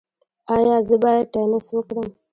ایا زه باید ټینس وکړم؟